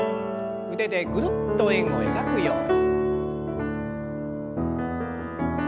腕でぐるっと円を描くように。